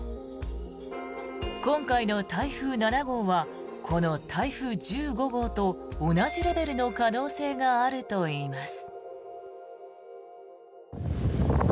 今回の台風７号はこの台風１５号と同じレベルの可能性があるといいます。